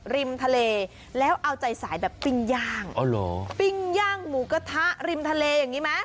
ริมทะเลแล้วเอาใจสายแบบปิ้งย่างปิ้งย่างหมูกระทะริมทะเลอย่างนี้ไหม